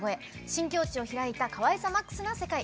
新境地を開いたかわいさマックスな世界。